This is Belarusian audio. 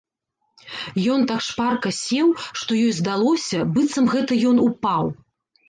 Ён так шпарка сеў, што ёй здалося, быццам гэта ён упаў.